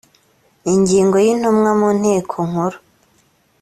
ingingo ya intumwa mu nteko nkuru